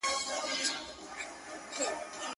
ورته جوړه په ګوښه کي هدیره سوه.!